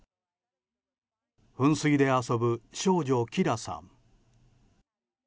噴水で遊ぶ少女、キラさん。